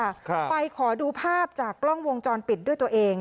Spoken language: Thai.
ครับไปขอดูภาพจากกล้องวงจรปิดด้วยตัวเอง